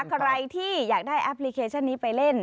ใครที่อยากได้แอปพลิเคชันนี้ไปเล่น